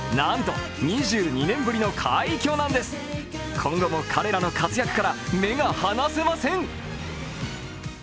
今後も彼らの活躍から目が離せません。